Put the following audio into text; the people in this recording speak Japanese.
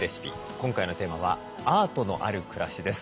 今回のテーマは「アートのある暮らし」です。